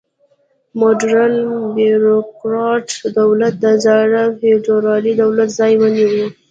موډرن بیروکراټ دولت د زاړه فیوډالي دولت ځای ونیو.